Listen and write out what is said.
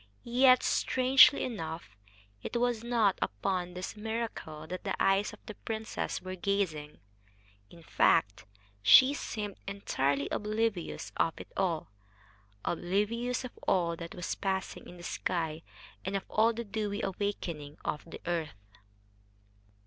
Yet, strangely enough, it was not upon this miracle that the eyes of the princess were gazing. In fact, she seemed entirely oblivious of it all oblivious of all that was passing in the sky, and of all the dewy awakening of the earth.